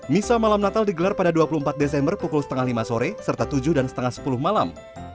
misa malam natal digelar pada dua puluh empat desember pukul setengah lima sore serta tujuh dan setengah sepuluh malam